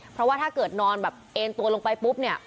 เพราะว่าถ้าเกิดนอนแบบเอ็นตัวลงไปปุ๊บเนี่ย